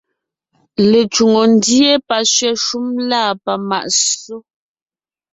Lecwòŋo ndíe, pasẅɛ̀ shúm lâ pamàʼ ssó;